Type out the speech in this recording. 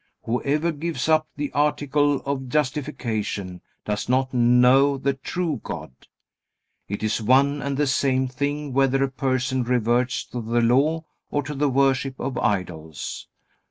Whoever gives up the article of justification does not know the true God. It is one and the same thing whether a person reverts to the Law or to the worship of idols.